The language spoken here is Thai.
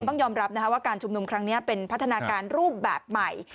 ต้องยอมรับว่าการชุมนุมครั้งนี้เป็นพัฒนาการรูปแบบใหม่